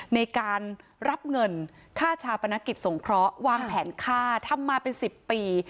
ในการรับเงินค่าชาปนกิจสงเคราะห์วางแผนฆ่าทำมาเป็น๑๐ปี